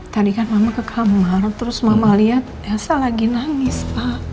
tadi kan mama ke kamar terus mama lihat elsa lagi nangis pak